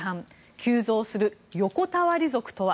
急増する横たわり族とは？